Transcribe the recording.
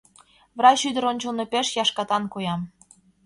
Врач ӱдыр ончылно пеш яшкатан коям.